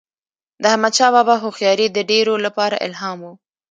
د احمدشاه بابا هوښیاري د ډیرو لپاره الهام و.